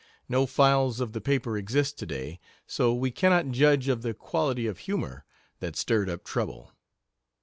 No files of the paper exist today, so we cannot judge of the quality of humor that stirred up trouble.